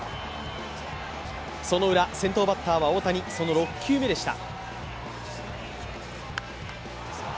そのウラ、先頭バッターは大谷その６球目でした。